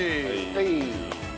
はい。